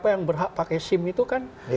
yang berhak pakai sim itu kan